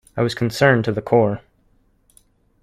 I was concerned to the core.